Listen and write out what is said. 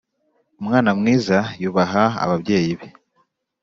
Umwana mwiza yubaha ababyeyi be